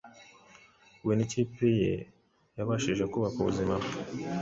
we n'ikipe ye yabashije kubaka ubuzima bwe